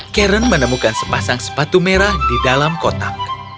karen menemukan sepasang sepatu merah di dalam kotak